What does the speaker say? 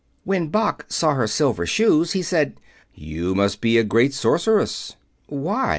When Boq saw her silver shoes he said, "You must be a great sorceress." "Why?"